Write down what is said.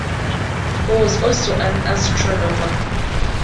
He was also an astronomer.